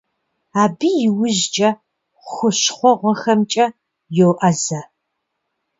Абы иужькӀэ хущхъуэгъуэхэмкӀэ йоӀэзэ.